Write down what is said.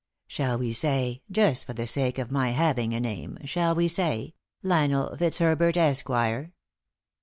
" Shall we say, just for the sake of my having a name — shall we say — Lionel Fitzherbert, Esquire